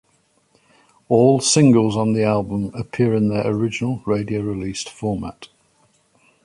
All "singles" on the album appear in their original radio released format.